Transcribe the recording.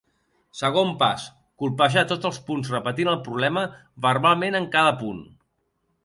Segon pas: colpejar tots els punts repetint el problema verbalment en cada punt.